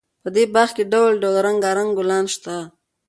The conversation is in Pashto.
په دې باغ کې ډول ډول رنګارنګ ګلان شته.